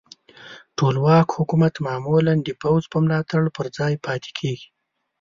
ټولواک حکومت معمولا د پوځ په ملاتړ پر ځای پاتې کیږي.